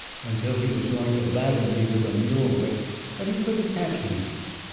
until he was going to lather me with a mule whip, but he couldn't catch me.